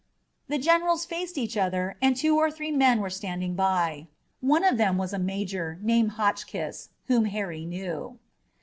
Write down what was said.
The generals faced each other and two or three men were standing by. One of them was a major named Hotchkiss, whom Harry knew.